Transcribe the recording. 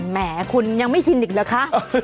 แหมคุณยังไม่ชินอีกเหรอคะ